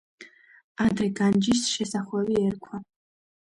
ადრე განჯის შესახვევი ერქვა.